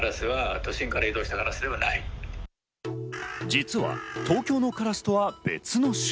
実は東京のカラスとは別の種